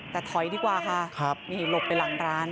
แต่ถอยดีกว่าค่ะนี่หลบไปหลังร้าน